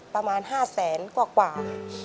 ประมาณ๕แสนกว่า